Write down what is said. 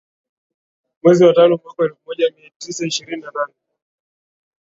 Mwezi wa tano mwaka wa elfu moja mia tisa ishirini na nane